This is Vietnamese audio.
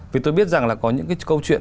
vì tôi biết rằng là có những cái câu chuyện